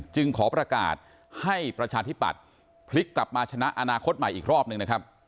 จึงขอประกาศให้ประชาธิปัตย์พลิกกลับมาชนะอนาคตใหม่อีกรอบหนึ่งนะครับ